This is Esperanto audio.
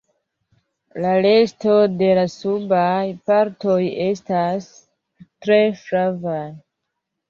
La resto de la subaj partoj estas tre flavaj.